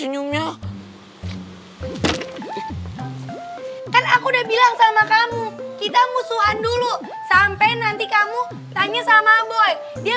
hai ah aku udah bilang sama kamu kita musuhan dulu sampai nanti kamu tanya sama boy dia